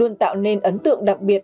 luôn tạo nên ấn tượng đặc biệt